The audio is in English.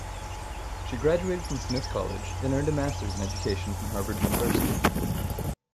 She graduated from Smith College, then earned a Master's in Education from Harvard University.